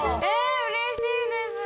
うれしいです。